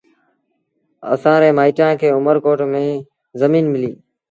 اَسآݩ ري مآئيٚٽآن کي اُمرڪوٽ ميݩ زڃين مليٚ۔